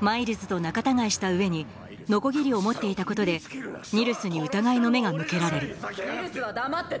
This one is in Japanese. マイルズと仲たがいした上にノコギリを持っていたことでニルスに疑いの目が向けられるニルスは黙ってて。